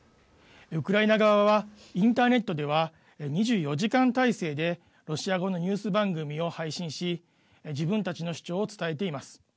ウクライナ側はインターネットでは２４時間体制でロシア語のニュース番組を配信し自分たちの主張を伝えています。